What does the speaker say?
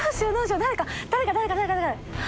誰か誰か誰か。